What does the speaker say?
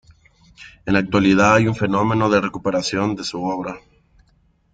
En la actualidad hay un fenómeno de recuperación de su obra.